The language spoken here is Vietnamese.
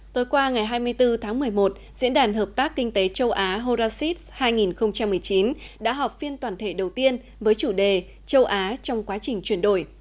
tối qua ngày hai mươi bốn tháng một mươi một diễn đàn hợp tác kinh tế châu á horacis hai nghìn một mươi chín đã họp phiên toàn thể đầu tiên với chủ đề châu á trong quá trình chuyển đổi